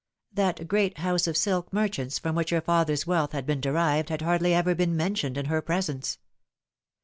That great house of silk merchants from which her father's wealth had been derived had hardly ever been mentioned in her presence.